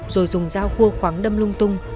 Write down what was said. rồi dùng dao khua khoáng đâm lung tung